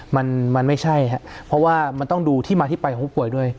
มันมันไม่ใช่ครับเพราะว่ามันต้องดูที่มาที่ไปของผู้ป่วยด้วย